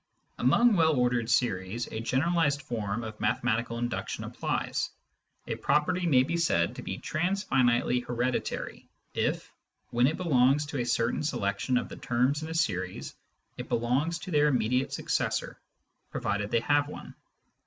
Among well ordered series, a generalised form of mathematical induction applies. A property may be said to be " transfinitely hereditary " if, when it belongs to a certain selection of the terms in a series, it belongs to their immediate successor pro vided they have one.